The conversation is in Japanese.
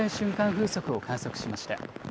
風速を観測しました。